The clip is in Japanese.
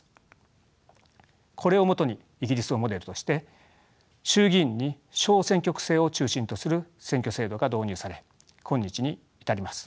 これを基にイギリスをモデルとして衆議院に小選挙区制を中心とする選挙制度が導入され今日に至ります。